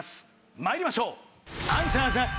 まいりましょう！